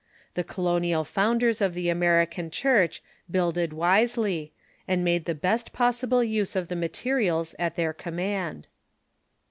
The colonial founders of the American Church builded wisely, and made the best possible use of the materials at their command.